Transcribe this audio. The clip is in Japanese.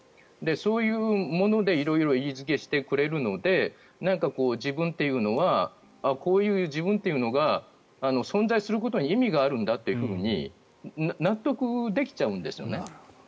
そういうもので色々意義付けしてくれるので自分というのはこういう自分というのが存在することに意味があるんだと納得できちゃうんですよね。